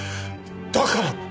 だから。